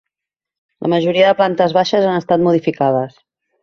La majoria de plantes baixes han estat modificades.